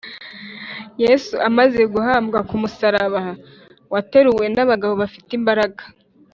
yesu amaze kubambwa ku musaraba, wateruwe n’abagabo bafite imbaraga,